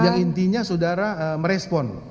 yang intinya saudara merespon